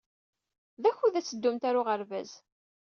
D akud ad teddumt ɣer uɣerbaz.